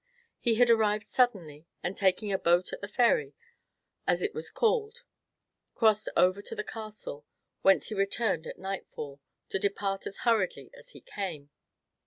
He had arrived suddenly, and, taking a boat at the ferry, as it was called, crossed over to the Castle, whence he returned at nightfall, to depart as hurriedly as he came.